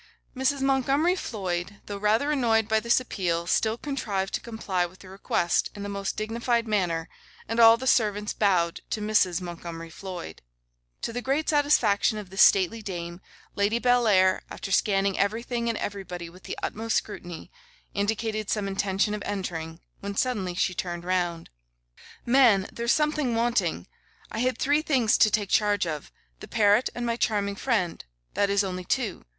Mrs. Montgomery Floyd, though rather annoyed by this appeal, still contrived to comply with the request in the most dignified manner; and all the servants bowed to Mrs. Montgomery Floyd. To the great satisfaction of this stately dame, Lady Bellair, after scanning everything and everybody with the utmost scrutiny, indicated some intention of entering, when suddenly she turned round: 'Man, there's something wanting. I had three things to take charge of. The parrot and my charming friend; that is only two.